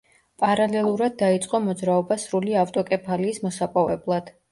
პარალელურად დაიწყო მოძრაობა სრული ავტოკეფალიის მოსაპოვებლად.